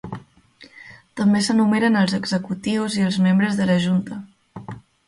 També s'enumeren els executius i els membres de la junta.